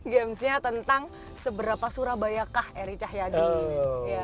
gamesnya tentang seberapa surabayakah eri cahyadi